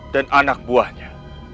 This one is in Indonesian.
dan anak buahnya